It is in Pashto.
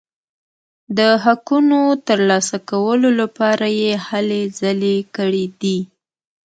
د حقونو ترلاسه کولو لپاره یې هلې ځلې کړي دي.